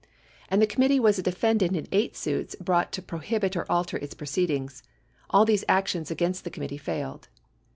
And the committee was a defendant in eight suits brought to prohibit or alter its proceedings. All these actions against the committee failed.